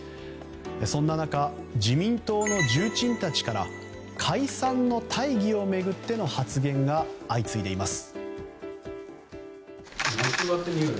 そんな中自民党の重鎮たちから解散の大義を巡っての発言が相次いでいます。